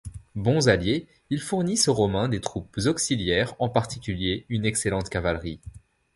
Bons alliés, ils fournissent aux Romains des troupes auxiliaires, en particulier, une excellente cavalerie.